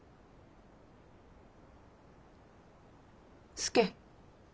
佐。